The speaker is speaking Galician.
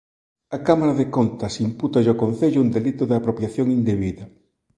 A Cámara de Contas impútalle ó Concello un delito de apropiación indebida.